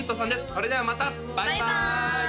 それではまたバイバーイ！